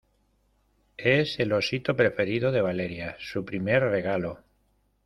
es el osito preferido de Valeria. su primer regalo .